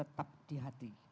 tetap di hati